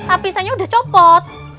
apisannya udah copot